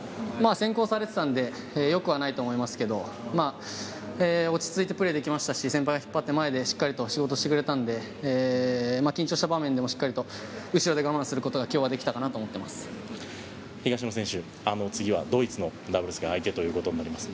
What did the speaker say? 先行されていたので良くはないと思いますが落ち着いてプレーできましたし先輩が引っ張って前でしっかり仕事をしてくれたので緊張した場面でも、しっかりと後ろで我慢することが東野選手、次はドイツのダブルスの相手となります。